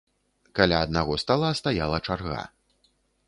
Каля аднаго стала стаяла чарга.